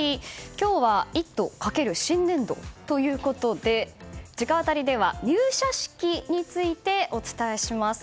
今日は「イット！」×新年度ということで直アタリでは入社式についてお伝えします。